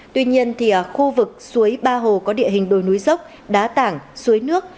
tuy nhiên khu vực suối ba hồ có địa hình đồi núi dốc đá tảng suối nước